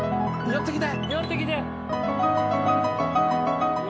寄ってきて。